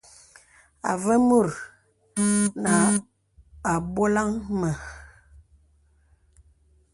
Avə mùt nə à bɔlaŋ mə.